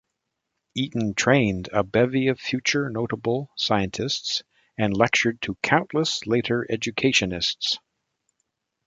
Eaton trained a bevy of future, notable, scientists and lectured to countless later educationists.